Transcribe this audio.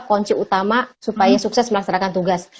kunci utama supaya sukses melaksanakan tugas